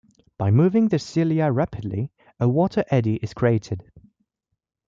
By moving their cilia rapidly, a water eddy is created.